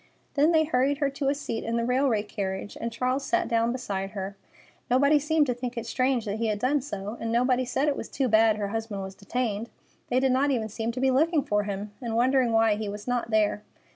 Then they hurried her to a seat in the railway carriage, and Charles sat down beside her. Nobody seemed to think it strange that he had done so, and nobody said it was too bad her husband was detained. They did not even seem to be looking for him, and wondering why he was not there.